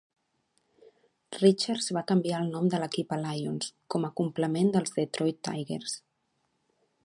Richards va canviar el nom de l'equip a Lions, com a complement dels Detroit Tigers.